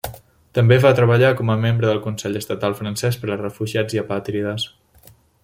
També va treballar com a membre del Consell Estatal francès per a refugiats i apàtrides.